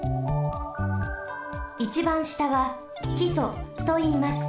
いちばんしたはきそといいます。